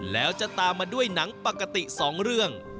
แล้วจะตามมาด้วยหนังปกติ๒เรื่อง